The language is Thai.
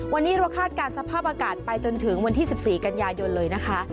วันนี้เราคาดการณ์สภาพอากาศไปจนถึงวันที่๑๔กันยายนเลยนะคะ